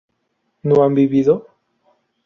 ¿no han vivido?